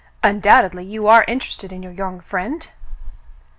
Undoubt edly you are interested in your young friend."